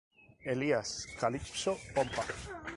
Elías Calixto Pompa